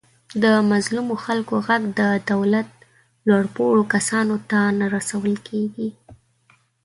د مظلومو خلکو غږ د دولت لوپوړو کسانو ته نه ورسول کېږي.